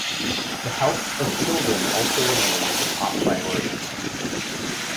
The health of children also remained a top priority.